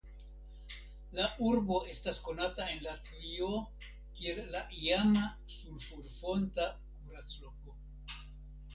La urbo estas konata en Latvio kiel la iama sulfurfonta kuracloko.